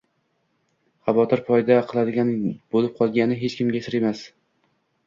xavotir paydo qiladigan bo‘lib qolgani hech kimga sir emas